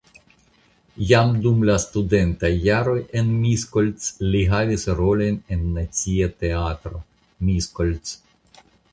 Jam dum la studentaj jaroj en Miskolc li havis rolojn en Nacia Teatro (Miskolc).